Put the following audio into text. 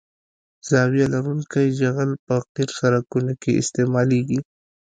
زاویه لرونکی جغل په قیر سرکونو کې استعمالیږي